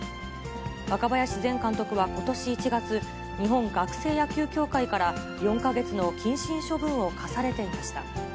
若林前監督はことし１月、日本学生野球協会から、４か月の謹慎処分を科されていました。